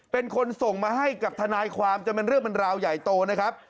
เป็นคนส่งมาให้กับทนายความจนเป็นเรื่องเป็นราวใหญ่โตนะครับ